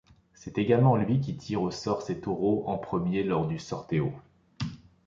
C’est également lui qui tire au sort ses taureaux en premier lors du sorteo.